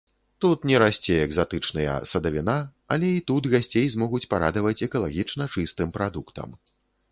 Тут не расце экзатычныя садавіна, але і тут гасцей змогуць парадаваць экалагічна чыстым прадуктам.